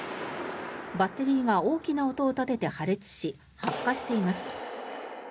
バッテリーが大きな音を立てて破裂し発火しています。